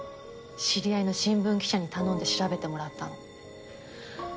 知り合いの新聞記者に頼んで調べてもらったの。